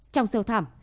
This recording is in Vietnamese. trong sâu thẳm